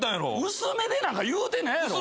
薄めでなんか言うてないやろ俺。